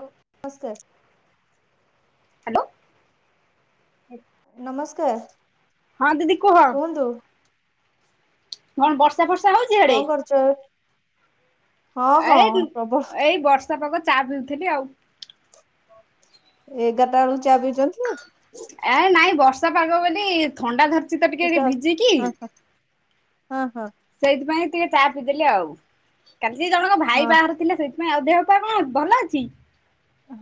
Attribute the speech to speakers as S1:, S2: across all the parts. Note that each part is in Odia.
S1: ହଉ ନମସ୍କାର।
S2: ହ୍ୟାଲୋ।
S1: ନମସ୍କାର।
S2: ହଁ ଦିଦି କୁହ?
S1: କୁହନ୍ତୁ
S2: କଣ ବର୍ଷା ଫର୍ଷା ହଉଛି ଇହାଡେ
S1: କଣ କରୁଛ? ହଁ
S2: ଏ
S1: ହଁ ପ୍ରବଳ
S2: ଏଇ ବର୍ଷା। ବର୍ଷା ପାଗ ଚା ପିଉଥିଲି ଆଉ
S1: ଏଗାରଟା ବେଳକୁ ଚା ପିଉଛନ୍ତି।
S2: ଏ ନାଇଁ ବର୍ଷା ପାଗ ବୋଲି ଥଣ୍ଡା ଧର ଚିତ ଟିକେ
S1: ହଁ
S2: ଭିଜିକି।
S1: ହଁ ହଁ
S2: ସେଇଥିପାଇଁ ଟିକେ ଚା ପିଇଦେଲି ଆଉ କାଲି ସେ ଜଣଙ୍କ ଭାଇ
S1: ହଁ
S2: ବାହାଘର ଥିଲା ସେଇ ଥିପାଇ ଅ ଦେହ ପା କଣ ଭଲ ଅଛି?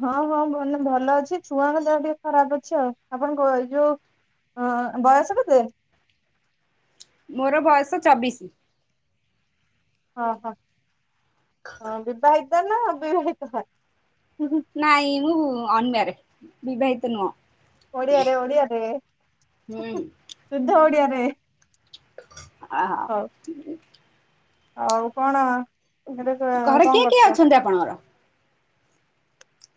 S1: ହଁ ହଁ ମାନେ ଭଲ ଅଛି ଛୁଆଙ୍କ ଦେହ ଟିକେ ଖରାପ ଅଛି ଆଉ ଆପଣଙ୍କ ଏଇ ଯୋଉ ହଁ ବୟସ କେତେ?
S2: ମୋର ବୟସ ଚବିଶି।
S1: ହଁ ହଁ ହ ବିବାହିତ ନା ଅବିବାହିତ ହ
S2: ନାଇଁ ମୁଁ ଅନମ୍ୟାରେଡ଼ ବିବାହିତ ନୁହଁ।
S1: ଓଡ଼ିଆରେ ଓଡ଼ିଆରେ
S2: ହୁଁ
S1: ସୁଦ୍ଧ ଓଡ଼ିଆରେ।
S2: ହଁ ହ।
S1: ଆଉ କଣ ଏବେ କଅଁ
S2: ଘରେ କିଏ କିଏ
S1: କରୁଚ।
S2: ଅଛନ୍ତି ଆପଣଙ୍କର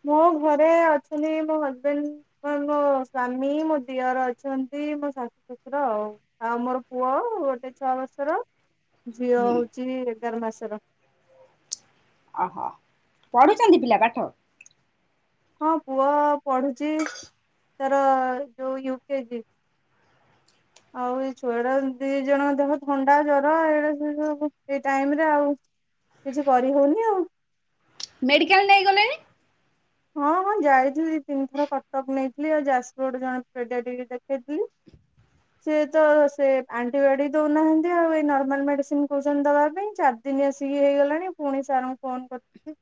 S1: ମୋ ଘରେ ଅଛନ୍ତି ମୋ ହଜବେଣ୍ଡ କ ମୋ ସ୍ଵାମୀ ମୋ ଦିଅର ଅଛନ୍ତି ମୋ ଶାଶୁ ଶଶୁର ଆଉ। ଆଉ ମୋର ପୁଅ ଗୋଟେ ଛଅ ମାସର ଝିଅ
S2: ହୁଁ
S1: ହଉଛି ଏଗାର ମାସର।
S2: ଓହୋ ପଢୁଛନ୍ତି ପିଲା ପାଠ
S1: ହଁ ପୁଅ ପଢୁଛି ତାର ଯୋଉ ୟୁକେଜି। ଆଉ ଏଇ ଛୁଆଟା ଦି ଜଣଙ୍କ ଦେହ ଥଣ୍ଡା ଜ୍ବର ଏଇା ସେ ସବୁ ଏଇ ଟାଇମ ରେ ଆଉ କିଛି କରିହଉନି ଆଉ
S2: ମେଡ଼ିକାଲ ନେଇଗଲେନି?
S1: ହଁ ହଁ ଯାଇଥିଲି ଦି ତିନିଥର କଟକ ନେଇଥିଲି ଆଉ ଯାଜପୁରରେ ଜଣେ ପେଡ଼ାଡିଟେ ଦେଖେଇଥିଲି। ସିଏ ତ ସେ ଆଣ୍ଟିବାୟୋଟିକ ଦଉନାହାନ୍ତି ଆଉ ଏଇ ନର୍ମାଲ ମେଡିସିନ କହୁଛନ୍ତି ଦବା ପାଇଁ ଚା ଚାରିଦିନି ଆସିକି ହେଇଗଲାଣି ପୁଣି ସାରଙ୍କୁଫୋନ କରିଥିଲି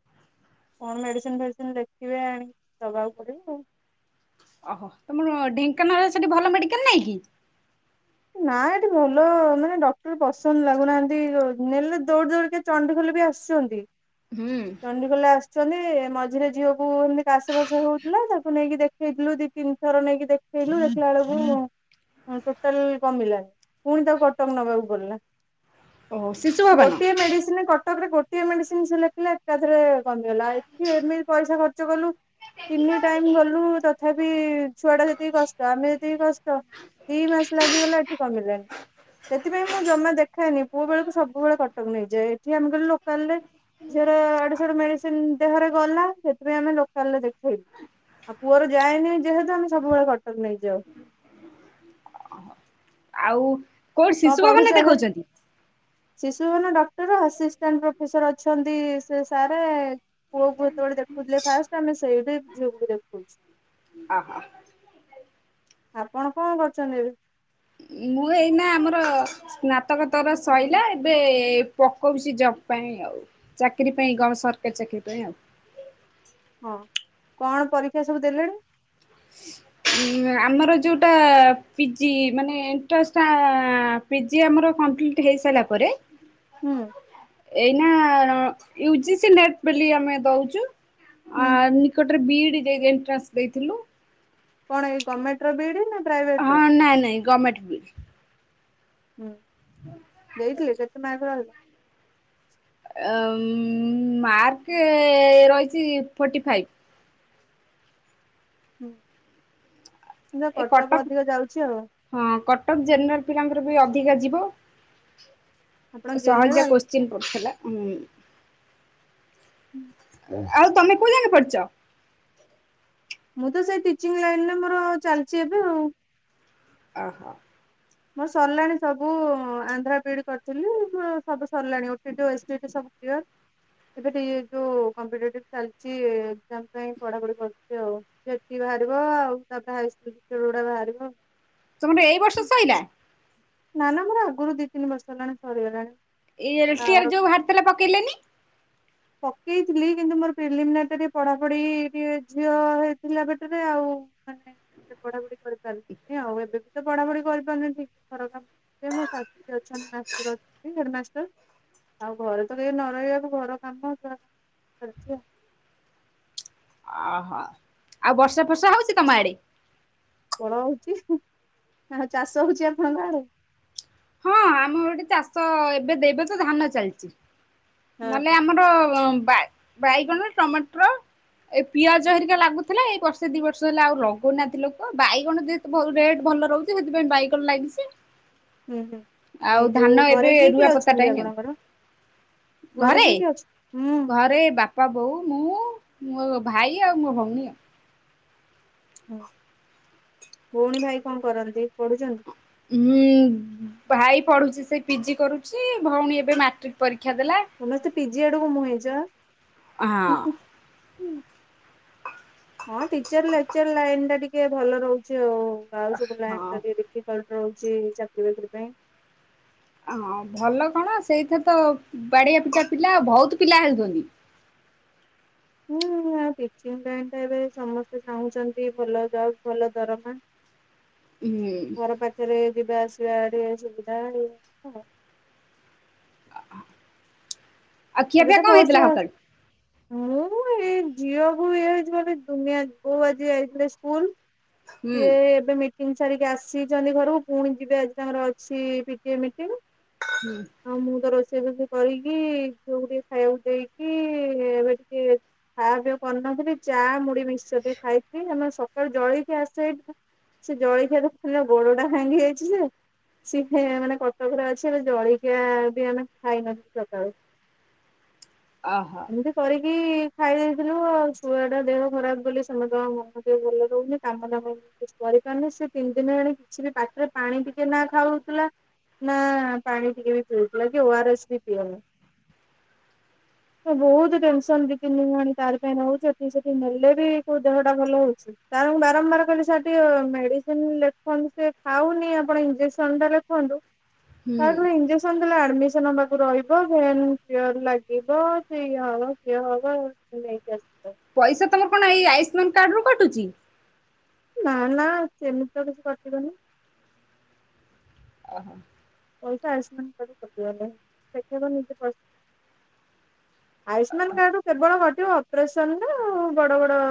S1: କଣ ମେଡିସିନ ଫେଡିସିନ୍ ଲେଖି ଲେଖିବେ ଆଣି ଦବାକୁ ପଡିବ ଆଉ
S2: ଓହୋ ତମର ଢେଙ୍କାନାଳରେ ସେଠି ଭଲ ମେଡିକାଲ ନାହିଁ କି?
S1: ନା ଏଠି ଭଲ ମାନେ ଡକ୍ଟର ପସନ୍ଦ ଲାଗୁନାହାନ୍ତି ନେଲେ ଦୌଡ଼ି ଦୌଡ଼ି କେତେ ଚଣ୍ଡଖୋଲ ବି ଆସୁଛନ୍ତି
S2: ହୁଁ।
S1: ଚଣ୍ଡିଖୋଲି ଆସ ଛନ୍ତି ମଝିରେ ଝିଅକୁ ଏମିତି କାଶ ଫାସ ହଉଥିଲା ତାକୁ ନେଇକି ଦେଖେଇଥିଲୁ ଦୀପ ତିନି ଥର ନେଇକି ଦେଖେଇଲୁ ଦେଖିଲା ବେଳକୁ ଟୋ ଟୋଚାଲି କମିଲାନି ପୁଣି ତାକୁ କଟକ ନବାକୁ ପଡିଲା।
S2: ଓହୋ ଶିଶୁ ଭବନ
S1: ଗୋଟିଏ ମେଡିସିନ କଟକରେ ଗୋ ଗୋଟିଏ ମେଡିସିନ ଲେଖିଲେ ଏକାଥରେ କମିଗଲା ଏଠି ଏମିତି ପଇସା ଖର୍ଚ୍ଚ କଲୁ ତିନି ଟାଇମ ଗଲୁ ତଥାପି ଛୁଆ ଟା ଯେତିକି କଷ୍ଟ ଆମେ ଯେତିକି କଷ୍ଟ। ଦି ମାସ ଲାଗିଗଲା ଏଠି କମିଲାନି। ସେଥିପାଇଁ ମୁଁ ଜମା ଦେଖାଏନି ପୁଅ ବେଳକୁ ସବୁବେଳେ କଟକ ନେଇଯଏ ଏଠି ଆମେ କଇଲୁ ଲୋକାଲ ରେ ଝିଅର ଇଆଡୁ ସିଆଡୁ ମେଡିସିନ ଦେହରେ ଗଲା ସେଥିପାଇଁ ଆମେ ଲୋକାଲରେ ଦେଖେଇବୁ। ଆଉ ପୁଅର ଯାଏନି ଯେହେତୁ ଆମେ ସବୁବେଳେ କଟକ ନେଇଯାଉ।
S2: ଆଉ କୋଉଠି
S1: କଅଁ
S2: ଶିଶୁ ଭବନରେ
S1: ପଢୁଛ ଏବେ?
S2: ଦେଖଉଛନ୍ତି?
S1: ଶିଶୁ ଭବନ ଡକ୍ଟର ଆସିଷ୍ଟାଣ୍ଟ ପ୍ରଫେସର ଅଛନ୍ତି ସେ ସାରେ ପୁଅକୁ ଯେତେବେଳେ ଦେଖୁଥିଲେ ଫାଷ୍ଟ ଆମେ ସେଇଠି ଝିଅକୁ ବି ଦେଖାଉଛୁ।
S2: ଆ ହୋ।
S1: ଆପଣ କଣ କରୁଛନ୍ତି ଏବେ?
S2: ମୁଁ ଏଇନା ଆମର ସ୍ନାତକ ତର ସଇଲା ଏବେ ପକଉଛି ଜବ ପାଇଁ ଆଉ। ଚାକିରି ପାଇଁ କଣ ସରକାରୀ ଚାକିରରି ପାଇଁ ଆଉ।
S1: ହଁ କଣ ପରୀକ୍ଷା ସବୁ ଦେଲେଣି?
S2: ଆମର ଯୋଉଟା ପିଜି ମାନେ ଇଣ୍ଟ୍ରାଷ୍ଟଟା ଆ ପିଜି ଆମର କମ୍ପ୍ଲିଟ୍ ହେଇସାଇଲା ପରେ
S1: ହୁଁ।
S2: ଏନା um U G C NET ବୋଲି ଅମେ ଦଉଚୁ
S1: ହୁଁ
S2: ଆ
S1: ହୁଁ।
S2: ଗୋଟେରେ ବିଇଡି ଯ ଏଣ୍ଟ୍ରାନ୍ସ ଦେଇଥିଲୁ।
S1: କଣ ଏଇ ଗଭର୍ମେଟର ବିଡି ନା ପ୍ରାଇଭେଟ
S2: ହଁ
S1: ର?
S2: ନାଇଁ ନାଇଁ ଗଭର୍ଣମେଣ୍ଟ ବି
S1: ହୁଁ ଦେଇଥିଲେ କେତେ ମାର୍କ ରହି
S2: ଆ ଉମ ମାର୍କ ରହିଛି ଫୋର୍ଟି ଫାଇଭ୍।
S1: ହୁଁ ସେ
S2: ଏ କଟକ
S1: କଟଅପ୍ ଅଧିକ ଯାଉଛି ଆଉ।
S2: ହଁ କଟଅକ୍ ଜେନେରାଲ ପିଲାଙ୍କର ବି ଅଧିକା ଯିବ
S1: ଆପଣ
S2: ସହଜିଆ
S1: ଜେନେରାଲ?
S2: କୋତ୍ସି ଚିନ୍ ପଡ଼ଥିଲାଁ ଉମ।
S1: ହୁଁ
S2: ଆଉ ତମେ କୋଉ ଜାକେ ପଢ଼ିଚ?
S1: ମୁଁ ତ ସେଇ ଟିଚିଂ ଲାଇନରେ ମୋର ଆଉ ଚାଲିଛି ଏବେ ଆଉ।
S2: ଆ ହ।
S1: ମୋର ସରିଲାଣି ସବୁ ଆନ୍ଧ୍ର ବିିଡି କରିଥିଲି ସବୁ ସରିଲାଣି ଓଟିଇଟି ଓଏସପିଟି ସବ କ୍ଲିୟର ଏବେ ଟିକ ଯୋଉ କମ୍ପିଟିଭ ଚାଲିଛି ଏକ୍ସାମ ପାଇଁ ପଢାପଢି କରୁଛି ଆଉ। ଏଟୀ ବାହାରିବ ଆଉ ତାପରେ ହାଇସ୍କୁଲ ଟିଚର ଗୁଡା ବାହାରିବ।
S2: ତମର ଏଇ ବର୍ଷ ସଇିଲା।
S1: ନା ନା ମୋର ଆଗରୁ ଦି ତିନି ବର୍ଷ ହେଲାଣି ସରିଗଲାଣି।
S2: ଏଇ ଇୟର [unintelligible]
S1: ବାହାଘର
S2: ଯୋଉ ବାହାରିଥିଲା ପକେଇଲେନି।
S1: ପକେଇଥିଲି କିନ୍ତୁ ମୋର ପ୍ରିଲିମନାରି ଟା ପଢାପଢି ଟିକେ ଝିଅ ହେଇଥିଲା ପେଟରେ ଆଉ
S2: [inaudible]
S1: ସେ ପଢା ପଢି କରିପାରୁନି ଆଉ ଏବେ ବି ତ ପଢା ପଢି କରିପାରୁନି ଠିକ ସେ ଘରର ଏ ମୋ ଶାଶୁ ଯିଏ ଅଛନ୍ତି ମାଷ୍ଟର ଅଛନ୍ତି ହେଡମାଷ୍ଟର। ଆଉ ଘରେ ତ କେହି ନ ରହିବାକୁ ଘର କାମ [unintelligible] [inaudible]
S2: ଓହୋ ଆଉ ବର୍ଷା ଫର୍ଷା ହଉଛି ତମ ଆଡେ।
S1: ଫଳ ହଉଛି ଆଉ ଚାଷ ହଉଛି ଆପଣଙ୍କ ଆଡେ।
S2: ମୁଁ ଆଡେ ଚାଷ ଏବେ ଦେବେ ତ ଧାନ ଚାଲିଛି
S1: ହଁ
S2: ନହେଲେ ଆମର ବା ବାଇଗଣରେ ଟମାଟର ଏ
S1: ହଁ
S2: ପିଆଜ ହେରିକା ଲାଗୁ ହେଲା ଏଇ ବର୍ଷେ ଦିଇ ବର୍ଷ ହେଲା ଆଉ ରହୁନାହାନ୍ତି ଲୋକ ବାଇଗଣ ଯେହେତୁ ରେଟ୍ ଭଲ ରହୁଛି ସେଥିପାଇଁ ବାଇଗଣ ଲାଗିଛି।
S1: ହୁଁ ହୁଁ।
S2: ଆଉ
S1: ଏଇ ଯୋଉ
S2: ଧାନ ଏବେ
S1: ଘରେ କିଏ କିଏ
S2: ରୁଆ ପତା
S1: ଅଛନ୍ତି
S2: ଟାଇମ ଆଉ।
S1: ଆପଣଙ୍କର?
S2: ଘରେ
S1: କିଏ କିଏ ଅଛ ହୁଁ
S2: ଘରେ ବା ପା ବୋଉ ମୁଁ ମୋ ଭାଇ ଆଉ ମୋ ଭଉଣୀ ଆଉ।
S1: ହୁଁ ଭଉଣୀ ଭାଇ କଣ କରନ୍ତି ପଢୁଛନ୍ତି।
S2: ହଁ ଭାଇ ପଢ଼ୁଛି ସେ ପିଜି କରୁଛି ଭଉଣୀ ଏବେ ମାଟ୍ରିକ୍ ପରୀକ୍ଷା ଦେଲା।
S1: ସମସ୍ତେ ପିଜି ଆଡକୁ ମୁହେଁଇଚ।
S2: ହଁ
S1: ହଁ ଟିଚର ଲେକ୍ଚର ଲାଇନ ଟା ଟିକେ ଭଲ ରହୁଛି ଆଉ। ତ ଆଉ ସବୁ
S2: ହଁ
S1: ଲାଇ ଡିଫିକଲଟ ରହୁଛି ଚାକିରି ବାକିରି ପାଇଁ।
S2: ହଁ ଭଲ କଣ ସେଇଥିରେ ତ ବାଡ଼ିଆ ପିଟା ପିଲା ବହୁତ ପିଲା ହେଉଛନ୍ତି।
S1: ହୁଁ ଆଉ ଟିଚିଙ୍ଗି ଲାଇନ ଏବେ ସମସ୍ତେ ଚାହୁଁଛନ୍ତି ଭଲ ଜବ୍ ଭଲ ଦରମା।
S2: ହୁଁ
S1: ଘର ପାଖରେ ଯିବା ଆସିବା ଟିକେ ସୁବିଧା ଇଏ
S2: [unintelligible]
S1: ଏବେ ତ
S2: କଣ
S1: ବହୁ
S2: ହେଇଥିଲା
S1: ବା
S2: ସକାଳୁ
S1: ମୁଁ ଏଇ ଝିଅକୁ ଇଏ ହେଇଛି ମାନେ ଦୁନିଆ ବୋଉ ଆଜି ଯାଇଥିଲେ ସ୍କୁଲ।
S2: ହୁଁ
S1: ସିଏ ଏବେ ମିଟିଂ ସାରିକି ଆସିଛନ୍ତି ଘରକୁ ପୁଣି ଯିବେ ଆଜି ତାଙ୍କର ଅଛିି ପିଟିଏମ୍ ମିଟିଂ।
S2: ହୁଁ।
S1: ଆଉ ମୁଁ ତ ରୋଷେଇ ଫୋଷେଇ କରିକି ଯୋଉ ଟିକେ ଖାଇବାକୁ ଦେଇକି ଏବେ ଟିକେ ଖା ପିଆ କରିନଥିଲି ଚା ମୁଡି ମିକ୍ସଚର ବି ଖାଇଥିଲି ଆମେ ସକାଳୁ ଜଳକି ଆସେ ସେ ଜଳଖିଆ ଦୋକାନିର ଗୋଡ ଟା ଭାଙ୍ଗି ଯାଇଛି ଯେ ସିଏ ମାନେ କଟକରେ ଅଛି ଏ ଜଳିଖିଆ ବି ଆମେ ଖାଇନଥିଲୁ ସକାଳୁ।
S2: ଅହ।
S1: ଏମିତି କରିକି ଖାଇ ଦେଇଥିଲୁ ଆଉ ଛୁଆ ଟା ଦେହ ଖରାପ ବୋଲି ସମସ୍ତଙ୍କ ମନ ଟିକେ ଭଲ ରହୁନି କାମଦାମ କିଛି କରିପାରୁନି ସେ ତିନି ଦିନ ହେଲାଣି କିଛି ବି ପାଟିରେ ପାଣି ଟିକେ ନା ଖାଉଥିଲା ନା ପାଣି ଟିକେ ବି ପିଉଥିଲା କି ଓ ଆରଏସ୍ ବି ପିଉନି। ବହୁତ ଟେନସନ ଦି ତିନି ଖଣି ତାରି ପାଇଁ ନଉଚି, ଏତିକି ସେତିକି ନେଲେ ବି କୋଉ ଦେହଟା ଭଲ ହଉଛି। ତା ବା ବାରମ୍ବାର କହିଲି ସାର୍ ଟିକେ ମେଡିସିନ ଲେଖନ୍ତୁ ସେ ଖାଉନି ଆପଣ ଇଞ୍ଜେକ୍ସନ ଟା ଲେଖନ୍ତୁ।
S2: ହୁଁ
S1: ସାର୍ ନା ଇଞ୍ଜେକ୍ସ ସନ୍ ଦେଲା ବେଳକୁ ମିସନ୍ ତାକୁ ରହିବ, ଭେନ୍ କ୍ଲିଅର ଲାଗିବ, ସେ ଇଏ ହବ କିଏ ହବ। ନେଇକି ଆସ
S2: ପଇସା ତମର କଣ ଏଇ ଆୟୁଷ୍ମାନ କାର୍ଡ ରୁ କଟୁଛି?
S1: ନା ନା ସେମିତି ତ କିଛି କଟିବନି।
S2: ଓହୋ।
S1: ପଇସା ଆୟୁଷ୍ମାନ କାର୍ଡରୁ କଟିବନି [unintelligible] ଆୟୁଷ୍ମାନ କାର୍ଡରୁ କେବଳ କ ବ ଅପରେସନରେ ଆଉ ବଡ ବଡ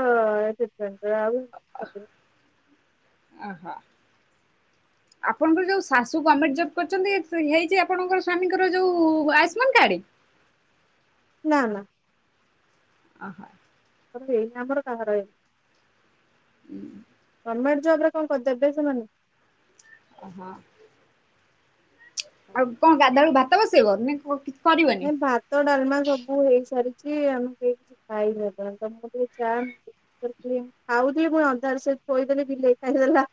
S1: ଟିଟମେଣ୍ଟ ଆଉ
S2: ଓହୋ। ଆପଣଙ୍କର ଯୋଉ ଶାଶୁ ଗମେଣ୍ଟ ଜବ୍ କରିଚନ୍ତି ହେଇଛି ଆପଣଙ୍କର ସ୍ୱାମୀଙ୍କର ଯୋଉ ଆୟୁଷ୍ମାନ କାର୍ଡ?
S1: ନା ନା।
S2: ଆହୋ।
S1: ଆ ହେଇନି ଆମର କାହାର ହେଇ
S2: ହୁଁ।
S1: ଗମେଣ୍ଟ ଜବ ରେ କଣ କରିଦେବେ ସେମାନେ?
S2: ଓହୋ ଆଉ କଣ ଗାଧାଳୁ ଭାତ ବସେଇବ ନା କଣ କିଛି କରିବନି?
S1: ନାଇଁ ବା ତ ଡାଲମା ସବୁ ହେଇସାରିଛି ଆମେ କେହି କିଛି ଖାଇନୁ ଏ ପର୍ଯ୍ୟନ୍ତ, ତମକୁ ଟିକେ ଚା ଖାଉଥିଲି ପୁଣି ଅନ୍ଧାର ସେ ଥୋଇଦେଲି ବିଲେଇ ଖାଇଦେଲା।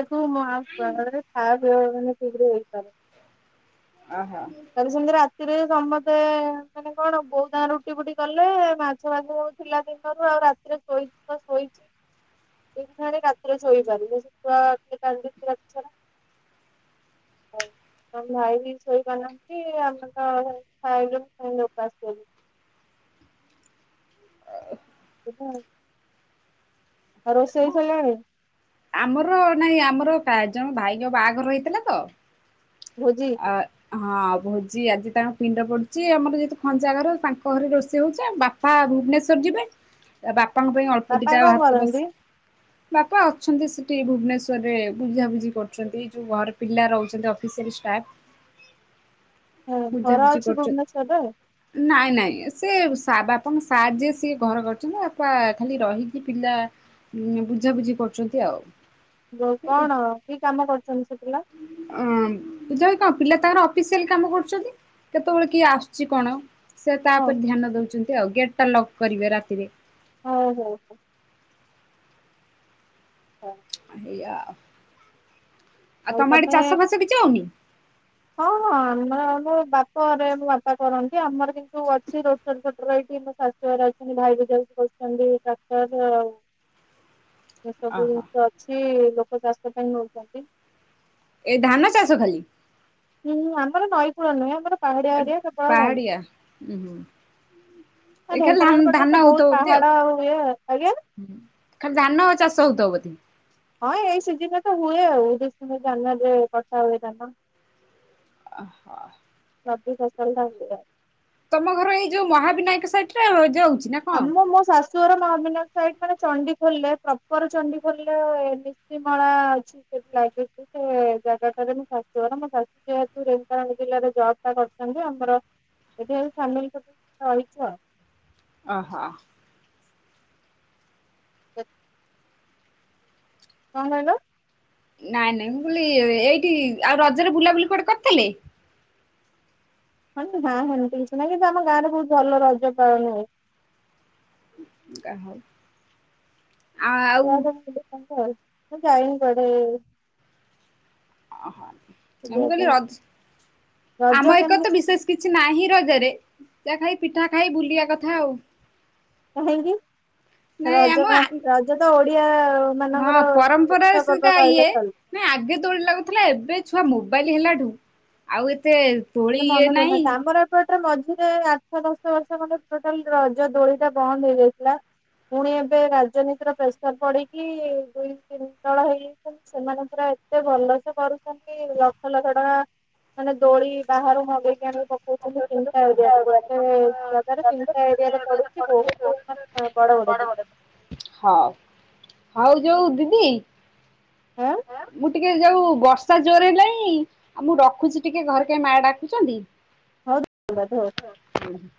S1: ସେଠୁ ମାସରେ ଖା ପିଅ
S2: ଓହୋ।
S1: କାଲି ସେମିତି ରାତିରେ ସମତେ ମାନେ କଣ ବୋଉ ତାଙ୍କର ରୁଟି ଫୁଟି କଲେ ମାଛ ଫାଛ ସବୁ ଥିଲା ଦିନରୁ ଆଉ ରା ରେ ଶୋଇଛି ତ ଶୋଇଛି। ଦିନରେ ରାତିରେ ଶୋଇପାରୁନି ସେ ଛୁଆ ଖାଲି କାନ୍ଦୁଛି ରାତି ସାରା। ହଉ ତମ ଭାଇ ବି ଶୋଇପାରୁନାହାନ୍ତି ଆମେ ତ ଖାଇଲୁ ସେମତି ଓପାସ ଶୋଇଲୁ। ଏଇତ ଆଉ ଆଉ ରୋଷେଇ ସଇଲାଣି?
S2: ଆମର ନାଇଁ ଆମର କା ଯୋଉ ଭାଇଙ୍କ ବାହାଘର ହେଇଥିଲା ତ
S1: ଭୋଜି?
S2: ଆ ହଁ ଭୋଜି ଆଜି ତାଙ୍କ ପିଣ୍ଡ ପଡୁଛି ଆମର ଯେହେତୁ ଖଞ୍ଜା ଘର ତାଙ୍କ ଘରେ ରୋଷେଇ ହଉଛି ବା ବାପା ଭୁବନେଶ୍ଵର ଯିବେ ବାପାଙ୍କ ପାଇଁ ଅଳ୍ପ
S1: ବାପା
S2: ଦିଇଟା
S1: କଣ
S2: ଭାତ ବସ
S1: କରନ୍ତି?
S2: ବାପା ଅଛନ୍ତି ସେଠି ଭୁବନେଶ୍ଵର ରେ ବୁଝାବୁଝି କରୁଛନ୍ତି ଯୋଉ ଘରେ ପିଲା ରହୁଛନ୍ତି ଅଫିସରେ ତା
S1: ହଁ ଘର
S2: ବୁଝାବୁଝି
S1: ଅଛି ଭୁବନେଶ୍ଵରରେ
S2: କରୁଛନ୍ତି। ନାଇଁ ନାଇଁ ସେ ବାପାଙ୍କ ସାର୍ ଯିଏ ସିଏ ଘର କରିଛନ୍ତି, ବାପା ଖାଲି ରହିକି ପିଲା ବୁଝାବୁଝି କରୁଛନ୍ତି ଆଉ।
S1: କଣ କି କାମ କରୁଛନ୍ତି ସେ ପିଲା?
S2: ଅଁ କଣ ପିଲା ତାଙ୍କର ଅଫିସିଆଲ କାମ କରୁଛନ୍ତି କେତେବେଳେ କିଏ ଆସୁଛି କଣ? ସେ ତା
S1: ହଁ
S2: ଉପରେ ଧ୍ୟାନ ଦେଉଛନ୍ତି ଆଉ ଗେଟଟା ଲକ୍ କରିବେ ରାତିରେ।
S1: ଓହୋ। ଅ।
S2: ଏଇଆ ଆଉ, ଆଉ
S1: ହଉ
S2: ତମ ଆଡ଼େ
S1: ତମେ
S2: ଚାଷ ବାସ କିଛି ହଉନି?
S1: ହଁ, ହଁ ଆମର ଆମ ବାପ ଘରେ ମୋ ବାପା କରନ୍ତି, ଆମର କିନ୍ତୁ ଅଛି ରୋଟୋର ଫୋଟୋର ଏଇଠି ସେ ଯାଇଛନ୍ତି। ଭାଇ ବୁଝା ବୁଝି କରୁଛନ୍ତି ଡାକ୍ତର ଆଉ ଏ ସବୁ
S2: ଓହୋ
S1: ଜିନିଷ ଅଛି ଲୋକ ଚାଷ ପାଇଁ ନଉଛନ୍ତି।
S2: ଏ ଧାନ ଚାଷ ଖାଲି।
S1: ହୁଁ ଆମର ନଈକୂଳ ନୁହେଁ ଆମର ପାହାଡିଆ ଏରିଆ କେବଳ ଧାନ।
S2: ପାହାଡିଆ ହୁଁ। ହୁଁ।
S1: ଏ
S2: ଖାଲି ଧାନ
S1: ଢେଙ୍କାନାଳପଟରେ
S2: ଧାନ
S1: ତ
S2: ହଉଥିବ
S1: ବହୁତ
S2: ବୋଧେ
S1: ପାହାଡ ଆଉ ଇଏ ଆଜ୍ଞା
S2: ଖାଲି ଧାନ ଚାଷ ହଉଥବ ବୋଧେ।
S1: ହଁ ଏଇ ସିଜିନି ରେ ତ ହୁଏ ଆଉ ଡିସେମ୍ବର ଜାନୁୟାରୀ ରେ କଟା ହୁଏ ଧାନ।
S2: ଅ ହ।
S1: ରବି ଫସଲ ଟା [unintelligible]
S2: ତମ ଘର ଏଇ ଯୋଉ ମହାବିନାୟକ ସାଇଟ୍ ରେ ଯାଉଚି ନା? କଣ?
S1: ଆମ ମୋ ଶାଶ୍ ସୋର ମହବିନାୟକ ସାଇଡ଼୍ ମାନେ ଚଣ୍ଡି ଖୋଲରେ ପ୍ରପର ଚଣ୍ଡି ଖୋଲର ନିଶିମାଳା ଅଛି। ସେତ୍ ଲାଗିଚି। ସେ ଜାଗାଟାରେ ମୋ ଶାଶୁ ଘର ମୋ ଶାଶୁ ଯେହେତୁ ଢେଙ୍କାନାଳ ଜିଲ୍ଲାରେ ଜବ୍ ଟା କରିଛନ୍ତି ଆମର ଏଠି ଆଉ ଫ୍ୟାମିଲ ସବୁ ରହିଚୁ ଆଉ।
S2: ଅ ହ।
S1: [unintelligible] କଣ କହିଲ?
S2: ନାଇଁ ନାଇଁ ମୁଁ କହିଲି ଏଇଠି ଆଉ ରଜରେ ବୁଲାବୁଲି କୁଆଡେ କରିଥିଲେ?
S1: ଉଁ ହୁଁ ହୁଁ ଏମତି କିଛି ନାହିଁ ଏବେ ଆମ ଗାଁ ରେ ବହୁତ୍ ଭଲ ରଜ ପାଳନ ହୁଏ।
S2: [unintelligible]
S1: [unintelligible] ମୁଁ ଯାଇନି କୁଆଡେ଼?
S2: ଅହ ମୁଁ
S1: ବୁଲିବା
S2: କହିଲି
S1: ପାଇଁ
S2: ରଜ
S1: ରଜ
S2: ଆମ ଏକଡ଼େ ତ
S1: କେମିତି
S2: ବିଶେଷ କିଛି ନାହିଁ ରଜରେ ଯାହା ଖାଇ ପିଠା ଖାଇ ବୁଲିବା କଥା ଆଉ।
S1: କାହିଁକି
S2: ନାଇଁ ଆମ
S1: ରଜ କଁ ରଜ ତ ଓଡିଆ ସେମାନଙ୍କର ମାନେ ମୁଖ୍ୟ ପର୍ବ କହିଲେ ଚଲୁଛି।
S2: ନାଇ ଆଗେ ଦୋଳି ଲାଗୁଥିଲା। ଏବେ ଛୁଆ ମୋବାଇଲ ହେଲାଠୁ ଆଉ ଏତେ ଦୋଳି ଇଏ ନାହିଁ।
S1: ଏପଟ ରେ ମଝିରେ ଆଠ ଦଶ ବର୍ଷ ଖଣ୍ଡେ ଟୋଟାଲ ରଜ ଦୋଳି ଟା ବନ୍ଦ ହେଇଯାଇଥିଲା। ପୁଣି ଏବେ ରାଜନୀତିର ପ୍ରେସର ପଡିକି ଦୁଇ ତିନି ଦଳ ହେଇ ସେମାନେ ପୁରା ଏତେ ଭଲ ସେ କରୁଛନ୍ତି ଲକ୍ଷ ଲକ୍ଷ ଟଙ୍କା ମାନେ ଦୋଳି ବାହାରୁ ମଗେଇକି ଆଣି ପକଉଚନ୍ତି ତିନିଟା ଏରିଆରେ ଗୋଟେ ଜାଗାରେ ତିନିଟା ଏରିଆ ରେ ପଡୁ
S2: [unintelligible] ହଉ ହଉ ଯୋଉ ଦିଦି
S1: ଆଁ
S2: [unintelligible] ଟିକେ ଯୋଉ ବର୍ଷା ଜୋରେ ହେଲାଇଁ ଆଉ ମୁଁ ରଖୁଛି ଟିକେ ଘରେ କାଇଁ ମା ଡାକୁଚନ୍ତି।
S1: [unintelligible]
S2: ଉଁ ହୁଁ।